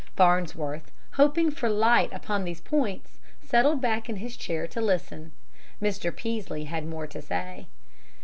Farnsworth, hoping for light upon these points, settled back in his chair to listen. Mr. Peaslee had more to say.